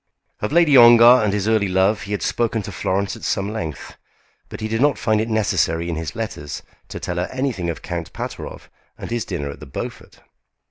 Of Lady Ongar and his early love he had spoken to Florence at some length, but he did not find it necessary in his letters to tell her anything of Count Pateroff and his dinner at the Beaufort.